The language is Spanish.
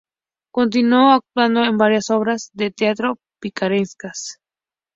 Continuó actuando en varias obras de teatro picarescas.